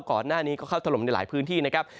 ก่อนหน้านี้ก็เข้าถล่มในหลายพื้นที่นะครับ